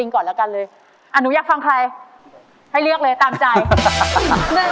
ก่อนแล้วกันเลยอ่ะหนูอยากฟังใครให้เลือกเลยตามใจเลือก